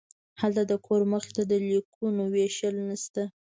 هلته د کور مخې ته د لیکونو ویشل نشته